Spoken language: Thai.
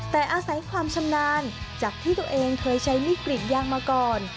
แต่อาศัยความชำนาญจากที่ตัวเองเคยใช้มีดกรีดยางมาก่อน